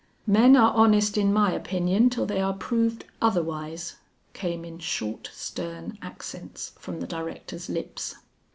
"Men are honest in my opinion till they are proved otherwise," came in short stern accents from the director's lips.